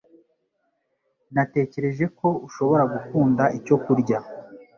Natekereje ko ushobora gukunda icyo kurya.